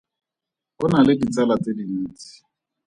O na le ditsala tse dintsi.